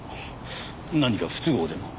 何か不都合でも？